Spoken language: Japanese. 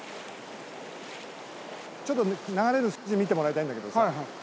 ちょっと流れる筋見てもらいたいんだけどさ